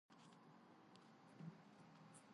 ასევე მრავლადაა ჩაძირული გემები.